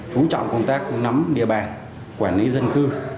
chú trọng công tác nắm địa bàn quản lý dân cư